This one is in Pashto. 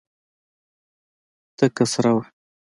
تکه سره وه.